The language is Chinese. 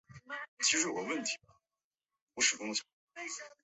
奥费尔格内是德国下萨克森州的一个市镇。